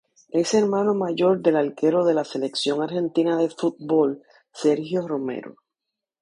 Es hermano mayor del arquero de la Selección Argentina de Fútbol, Sergio Romero.